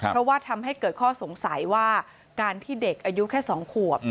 เพราะว่าทำให้เกิดข้อสงสัยว่าการที่เด็กอายุแค่๒ขวบ